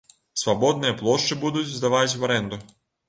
Свабодныя плошчы будуць здаваць ў арэнду.